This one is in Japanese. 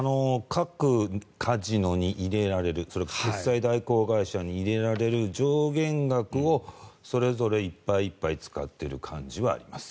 各カジノに入れられる決済代行会社に入れられる上限額をそれぞれいっぱいいっぱい使ってる感じはあります。